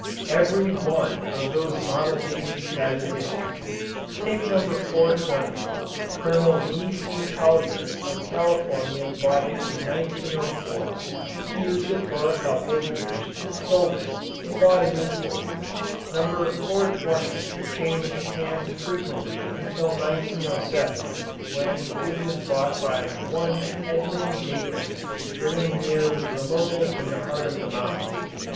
Every one of these "Model A's" has a history. Take No. 420. Colonel D. C. Collier of California bought it in 1904. He used it for a couple of years, sold it, and bought a new Ford. No. 420 changed hands frequently until 1907 when it was bought by one Edmund Jacobs living near Ramona in the heart of the mountains.